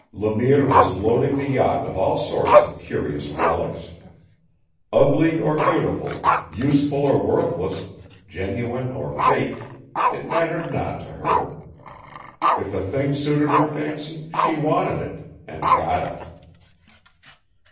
Le Mire was loading the yacht with all sorts of curious relics. Ugly or beautiful, useful or worthless, genuine or faked, it mattered not to her; if a thing suited her fancy she wanted it and got it.